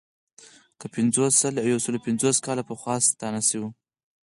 که پنځوس، سل او یو سلو پنځوس کاله پخوا ستانه شو.